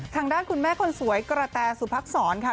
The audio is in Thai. ทางด้านคุณแม่คนสวยกระแตสุพักษรค่ะ